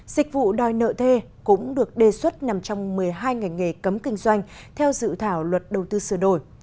dịch vụ đòi nợ thuê cũng được đề xuất nằm trong một mươi hai ngành nghề cấm kinh doanh theo dự thảo luật đầu tư sửa đổi